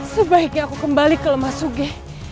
sebaiknya aku kembali ke lemah suge